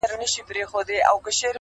چي د بابا احوال واخلي